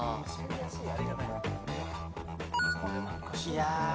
いや。